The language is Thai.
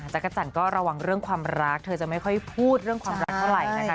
จักรจันทร์ก็ระวังเรื่องความรักเธอจะไม่ค่อยพูดเรื่องความรักเท่าไหร่นะคะ